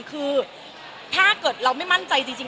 คือถ้าเกิดเราไม่มั่นใจจริง